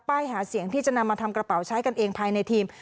หาเสียงที่จะนำมาทำกระเป๋าใช้กันเองภายในทีม